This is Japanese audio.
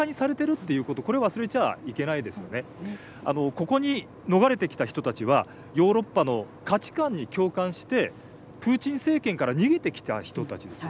ここに逃れてきた人たちはヨーロッパの価値観に共感してプーチン政権から逃げてきた人たちですよね。